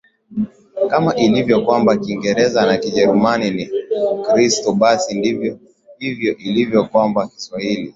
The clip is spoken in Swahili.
Kama ilivyo kwamba Kiingereza na Kijerumani si ukristo basi ndivyo hivyo ilivyo kwamba Kiswahili